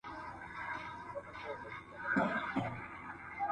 منطقي تسلسل د څېړونکي ملا تړي.